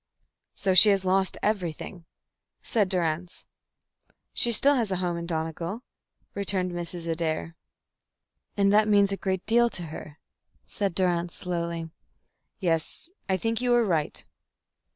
"So she has lost everything?" said Durrance. "She still has a home in Donegal," returned Mrs. Adair. "And that means a great deal to her," said Durrance, slowly. "Yes, I think you are right."